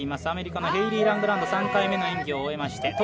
アメリカのヘイリー・ラングランド３回目の演技を終えました。